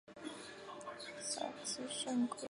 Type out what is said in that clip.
耶尔萨克的圣热尼。